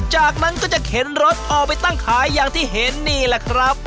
จากนั้นก็จะเข็นรถออกไปตั้งขายอย่างที่เห็นนี่แหละครับ